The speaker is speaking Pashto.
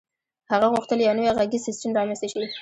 هغه غوښتل یو نوی غږیز سیسټم رامنځته شي